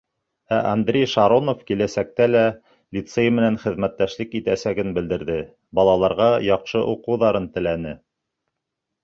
Ә Андрей Шаронов киләсәктә лә лицей менән хеҙмәттәшлек итәсәген белдерҙе, балаларға яҡшы уҡыуҙарын теләне.